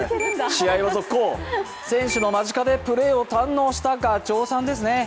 試合を続行、選手の間近でプレーを堪能したがちょうさんですね。